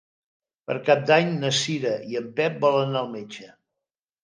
Per Cap d'Any na Cira i en Pep volen anar al metge.